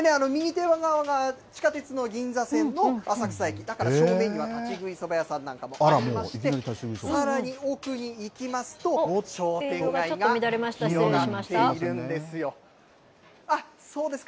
右手側が地下鉄の銀座線の浅草駅だから正面には立ち食いそば屋さんなんかもありましてさらに奥に行きますと商店街が広がっているんですよ。